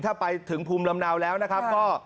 ถ้าไปถึงภูมิลำเนาแล้วนะครับก็